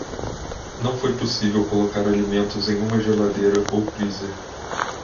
Não foi possível colocar alimentos em uma geladeira ou freezer.